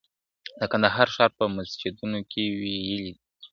د کندهار ښار په مسجدونو کي ويلي دي